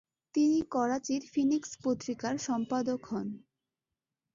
তিনি করাচির ফিনিক্স পত্রিকার সম্পাদক হন ।